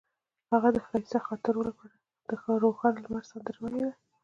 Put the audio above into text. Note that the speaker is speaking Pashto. هغې د ښایسته خاطرو لپاره د روښانه لمر سندره ویله.